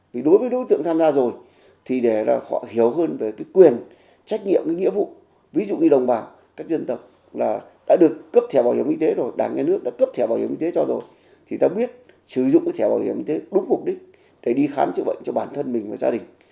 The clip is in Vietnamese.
vì đối với đối tượng tham gia rồi thì để họ hiểu hơn về cái quyền trách nhiệm cái nghĩa vụ ví dụ như đồng bào các dân tộc là đã được cấp thẻ bảo hiểm y tế rồi đảng nhà nước đã cấp thẻ bảo hiểm y tế cho rồi thì ta biết sử dụng cái thẻ bảo hiểm y tế đúng mục đích để đi khám chữa bệnh cho bản thân mình và gia đình